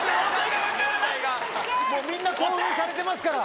みんな興奮されてますから。